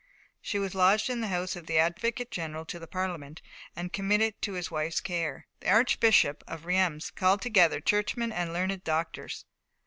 She was lodged in the house of the advocate general to the Parliament, and committed to his wife's care. The Archbishop of Reims called together churchmen and learned doctors.